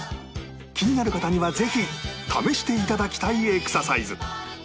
気になる方にはぜひ試していただきたいエクササイズ